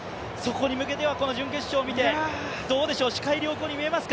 そこに向けては、この準決勝を見てどうでしょう、司会良好に見えますか？